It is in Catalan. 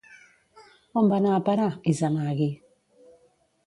On va anar a parar, Izanagui?